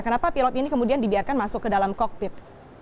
kenapa pilot ini kemudian dibiarkan masuk ke dalam kokpit